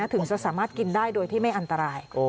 ถึงจะสามารถกินได้โดยที่ไม่อันตราย